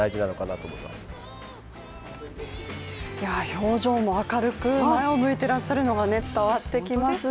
表情も明るく、前を向いていらっしゃるのが伝わってきます。